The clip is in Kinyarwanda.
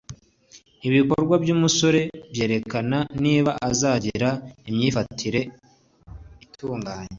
ibikorwa by'umusore byerekana niba azagira imyifatire itunganye.